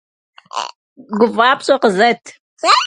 ГуфӀапщӀэ къызэт!